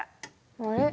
あれ？